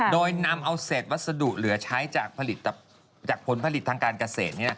โดยนำเอาเศษวัสดุเหลือใช้จากผลผลิตทางการเกษตร